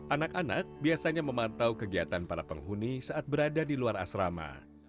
anak anak biasanya memantau kegiatan para penghuni saat berada di luar asrama